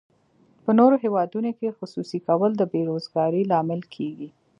په نورو هیوادونو کې خصوصي کول د بې روزګارۍ لامل کیږي.